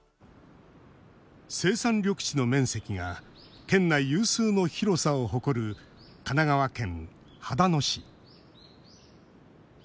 生産緑地の面積が県内有数の広さを誇る神奈川県秦野市。